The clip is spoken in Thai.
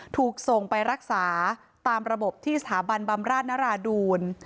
ถูกส่งไปรักษาตามระบบที่สถาบันบำราชนราดูล